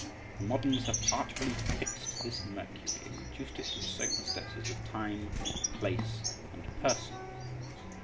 The moderns have artfully fixed this Mercury, and reduced it to the circumstances of time, place, and person.